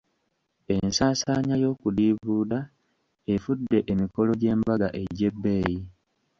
Ensaasaanya y'okudiibuuda efudde emikolo gy'embaga egy'ebbeeyi.